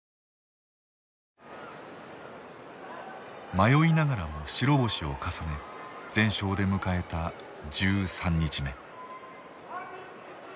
迷いながらも白星を重ね全勝で迎えた１３日目。